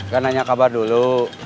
gak nanya kabar dulu